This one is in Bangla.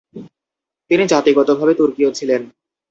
তিনি জাতিগতভাবে তুর্কীয় ছিলেন।